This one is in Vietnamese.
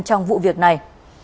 trong vụ việc này